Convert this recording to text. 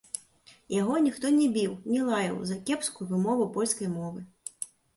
Яго ніхто не біў, не лаяў за кепскую вымову польскай мовы.